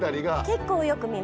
結構よく見ます。